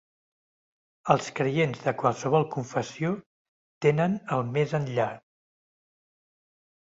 Els creients de qualsevol confessió tenen el més enllà.